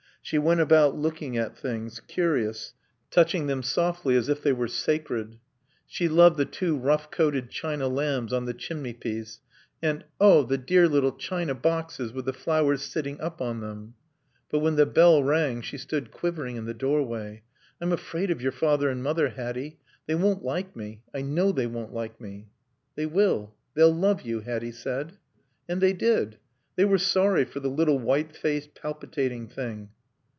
She went about looking at things, curious, touching them softly as if they were sacred. She loved the two rough coated china lambs on the chimney piece, and "Oh the dear little china boxes with the flowers sitting up on them." But when the bell rang she stood quivering in the doorway. "I'm afraid of your father and mother, Hatty. They won't like me. I know they won't like me." "They will. They'll love you," Hatty said. And they did. They were sorry for the little white faced, palpitating thing.